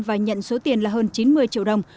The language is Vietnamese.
và nhận số tiền là hơn chín mươi triệu đồng